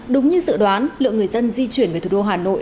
đúng như dự đoán lượng người dân di chuyển về thủ đô hà nội